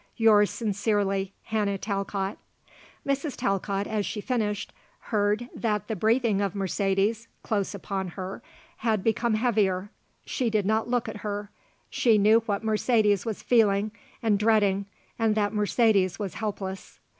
Yours sincerely, "Hannah Talcott." Mrs. Talcott, as she finished, heard that the breathing of Mercedes, close upon her, had become heavier. She did not look at her. She knew what Mercedes was feeling, and dreading; and that Mercedes was helpless.